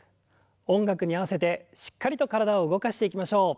音楽に合わせてしっかりと体を動かしていきましょう。